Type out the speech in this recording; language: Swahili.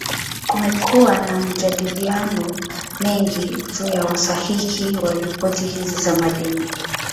Kumekuwa na majadiliano mengi juu ya usahihi wa ripoti hizi za madeni.